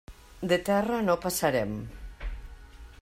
De terra no passarem.